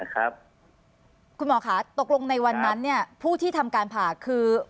คุณหมอค่ะตกลงในวันนั้นผู้ที่ทำการผ่าคือ